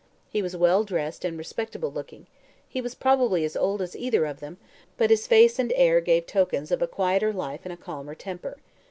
He was well dressed and respectable looking; he was probably as old as either of them, but his face and air gave tokens of a quieter life and a calmer temper.